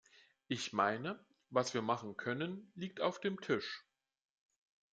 Ich meine, was wir machen können, liegt auf dem Tisch.